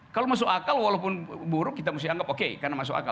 kalau masuk akal walaupun buruk kita mesti anggap oke karena masuk akal